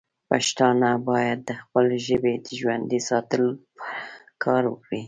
پښتانه باید د خپلې ژبې د ژوندی ساتلو لپاره کار وکړي.